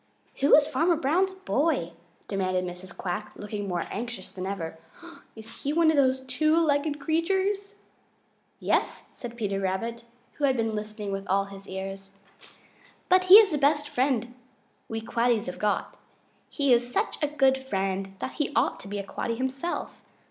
"Who is Farmer Brown's boy?" demanded Mrs. Quack, looking more anxious than ever. "Is he one of those two legged creatures?" "Yes," said Peter Rabbit, who had been listening with all his ears, "but he is the best friend we Quaddies have got. He is such a good friend that he ought to be a Quaddy himself.